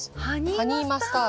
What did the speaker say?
ハニーマスタード。